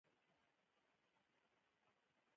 په تت یا پیکه رنګ ښودل شوي دي.